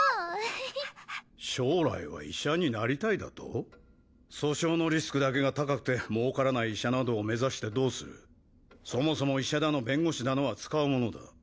ふふふっ将来は医者になりたいだと訴訟のリスクだけが高くてもうからない医者などを目指してどうするそもそも医者だの弁護士だのは使うものだ。